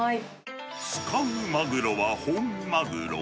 使うマグロは本マグロ。